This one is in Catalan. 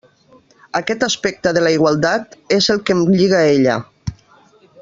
Aquest aspecte de la igualtat és el que em lliga a ella.